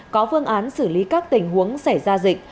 có phương án xử lý các tình huống xảy ra dịch